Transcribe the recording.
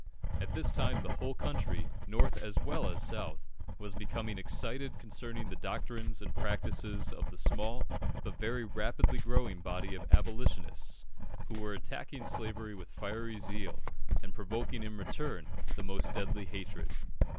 At this time the whole country, North as well as South, was becoming excited concerning the doctrines and practices of the small but very rapidly growing body of Abolitionists, who were attacking slavery with fiery zeal, and provoking in return the most deadly hatred.